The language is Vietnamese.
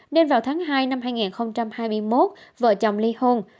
nên vào tháng hai năm hai nghìn hai mươi một vợ chồng ly hôn